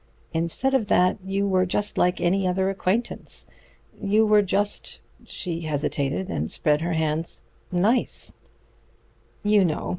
Instead of that you were just like any other acquaintance. You were just" she hesitated and spread her hands "nice. You know.